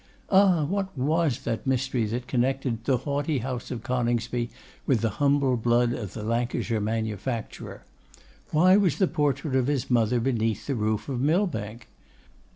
Ah! what was that mystery that connected the haughty house of Coningsby with the humble blood of the Lancashire manufacturer? Why was the portrait of his mother beneath the roof of Millbank?